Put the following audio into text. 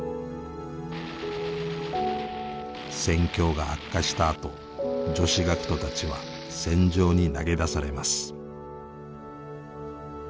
戦況が悪化したあと女子学徒たちは戦場に投げ出されます。